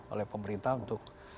oleh pemerintah untuk